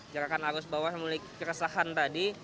gerakan arus bawah memiliki keresahan tadi